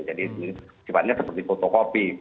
jadi sifatnya seperti fotokopi